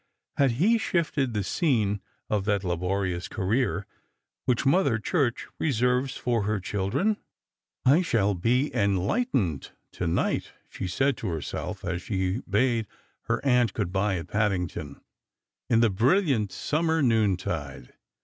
Had he shifted the scene of that laborious career which Mother Church reserves for her children ?" I shall be enlightened to night," she said to herself, as she bade her aunt good bye at Paddington, in the brilliant summer noontide.